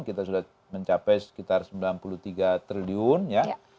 kita sudah mencapai sekitar sembilan puluh tiga triliun ya